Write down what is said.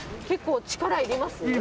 結構力いります？